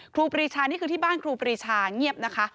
ครูปรีชานี่คือที่บ้านครูปรีชาเงียบนะคะ